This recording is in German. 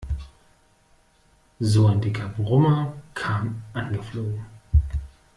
So ein dicker Brummer kam angeflogen.